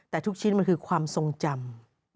แต่ทุกชิ้นมันคือความทรงจำ